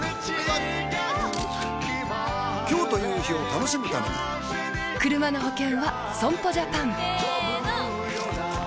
今日という日を楽しむためにクルマの保険は損保ジャパンせーの！